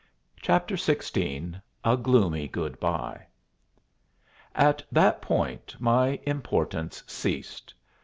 CHAPTER XVI A GLOOMY GOOD BY At that point my importance ceased.